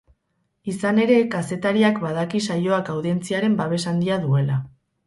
Izan ere, kazetariak badaki saioak audientziaren babes handia duela.